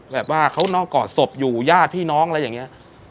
แบบว่าเขานอกกอดศพอยู่ญาติพี่น้องอะไรอย่างนี้